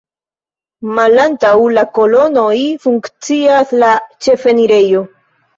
Malantaŭ la kolonoj funkcias la ĉefenirejo.